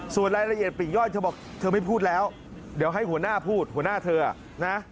ส่วนรายละเอียดปลีกย่อยเธอบอกเธอไม่พูดแล้วเดี๋ยวให้หัวหน้าพูดหัวหน้าเธอนะ